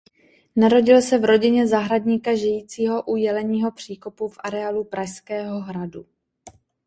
Narodil se v rodině zahradníka žijícího u Jeleního příkopu v areálu Pražského Hradu.